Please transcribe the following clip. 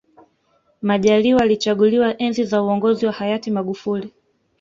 majaliwa alichaguliwa enzi za uongozi wa hayati magufuli